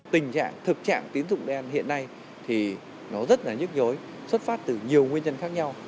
tình trạng thực trạng tín dụng đen hiện nay thì nó rất là nhức nhối xuất phát từ nhiều nguyên nhân khác nhau